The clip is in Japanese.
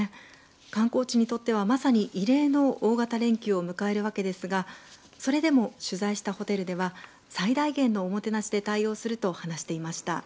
観光地にとってはまさに異例の大型連休を迎えるわけですがそれでも、取材したホテルでは最大限のおもてなしで対応すると話していました。